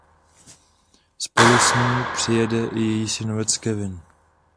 Spolu s ní přijede i její synovec Kevin.